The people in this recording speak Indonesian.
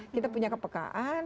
kita punya kepekaan